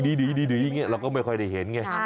แต่ลักษณะดีเราก็ไม่ค่อยได้เห็นไง